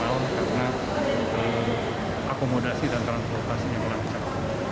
karena akomodasi dan transportasinya menangkap